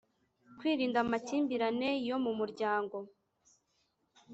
Kwirinda amakimbirane yo mu muryango.